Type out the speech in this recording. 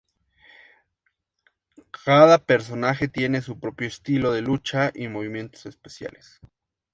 Cada personaje tiene su propio estilo de lucha y movimientos especiales.